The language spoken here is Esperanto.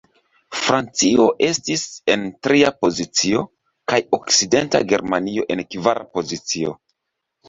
Francio estis en tria pozicio, kaj Okcidenta Germanio en kvara pozicio.